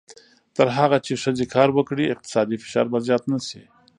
تر هغه چې ښځې کار وکړي، اقتصادي فشار به زیات نه شي.